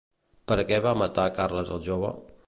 Per què va matar a Carles el Jove?